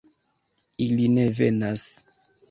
Ili ne venas?